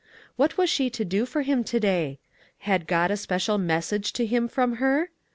What was she to do for him to day? Had God a SILKEN COILS. special message to him from her ?